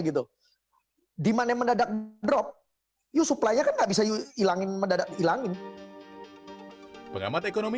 gitu dimana mendadak drop you supply nya nggak bisa hilangin mendadak hilangin pengamat ekonomi